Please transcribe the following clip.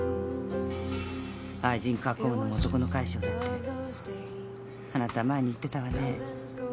愛人囲うのも男のかい性だってあなた前に言ってたわね。